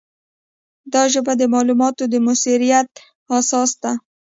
دا ژبه د معلوماتو د موثریت اساس ده.